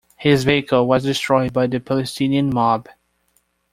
His vehicle was destroyed by the Palestinian mob.